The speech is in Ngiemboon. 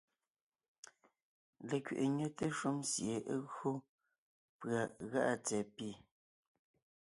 Lekẅiʼi nyɛte shúm sie é gÿo pʉ̀a gá’a tsɛ̀ɛ pì,